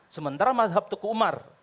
sementara mazhab tuku umar